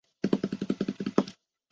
温卤面是一种中国朝鲜族面食。